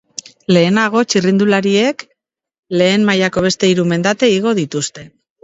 Lehenago, txirrindulariek lehen mailako beste hiru mendate igo dituzte.